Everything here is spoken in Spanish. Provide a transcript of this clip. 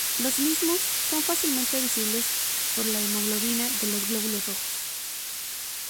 Los mismos son fácilmente visibles por la hemoglobina de los glóbulos rojos.